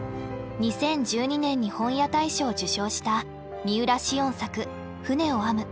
２０１２年に本屋大賞を受賞した三浦しをん作「舟を編む」。